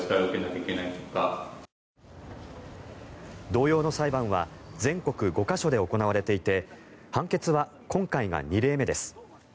同様の裁判は全国５か所で行われていて判決が今回が２例目です。